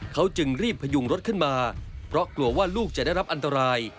เขาจึงรีบพยุงรถขึ้นมาเพราะกลัวว่าลูกจะได้รับอันตราย